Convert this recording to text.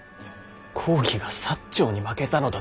公儀が長に負けたのだと知った。